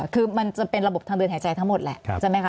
คือมันจะเป็นระบบทางเดินหายใจทั้งหมดแหละใช่ไหมคะ